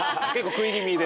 食い気味で。